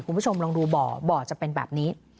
คุณผู้ชมลองดูบ่อบ่อจะเป็นแบบนี้